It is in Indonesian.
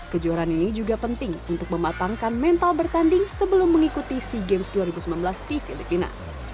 kejuaraan ini juga penting untuk mematangkan mental bertanding sebelum mengikuti sea games dua ribu sembilan belas di filipina